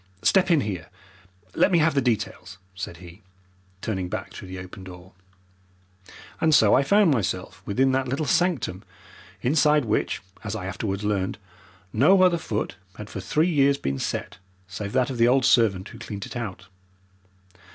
Step in here! Let me have the details!" said he, turning back through the open door. And so I found myself within that little sanctum, inside which, as I afterwards learned, no other foot had for three years been set save that of the old servant who cleaned it out.